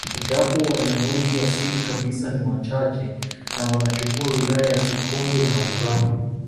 Japo wanyamwezi asili kabisa ni wachache na wanachukua wilaya ya Sikonge na urambo